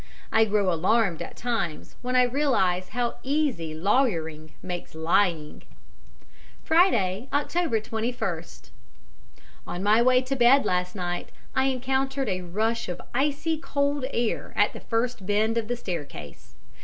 I grow alarmed at times when I realize how easy lawyering makes lying. "Friday, October 21st. On my way to bed last night I encountered a rush of icy cold air at the first bend of the staircase.